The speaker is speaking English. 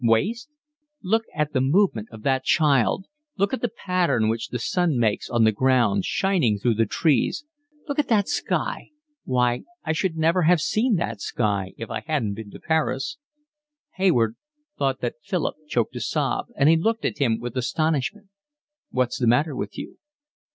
"Waste? Look at the movement of that child, look at the pattern which the sun makes on the ground, shining through the trees, look at that sky—why, I should never have seen that sky if I hadn't been to Paris." Hayward thought that Philip choked a sob, and he looked at him with astonishment. "What's the matter with you?"